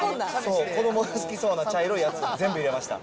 そう、子どもの好きそうな茶色いやつを全部入れました。